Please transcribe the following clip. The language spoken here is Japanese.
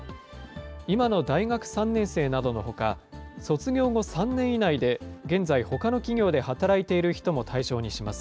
今の大学３年生などのほか、卒業後３年以内で現在ほかの企業で働いている人も対象にします。